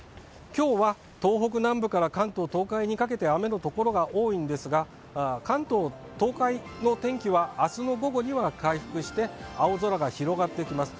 きょうは東北南部から関東、東海にかけて雨の所が多いんですが、関東、東海の天気は、あすの午後には回復して、青空が広がってきます。